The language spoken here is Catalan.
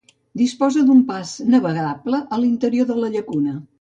Disposa d'un pas navegable a l'interior de la llacuna.